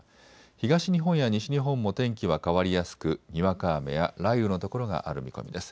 東日本や西日本も天気は変わりやすく、にわか雨や雷雨の所がある見込みです。